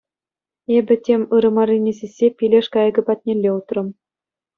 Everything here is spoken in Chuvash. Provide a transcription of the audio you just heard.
Эпӗ тем ырӑ маррине сиссе пилеш кайӑкӗ патнелле утрӑм.